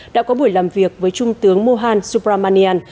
đã có buổi làm việc với trung tướng mohan subramanian